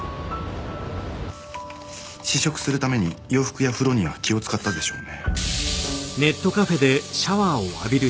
試食するために洋服や風呂には気を使ったでしょうね。